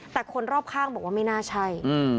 แต่คนรอบข้างบอกว่าไม่น่าใช่